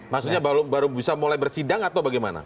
maksudnya baru bisa mulai bersidang atau bagaimana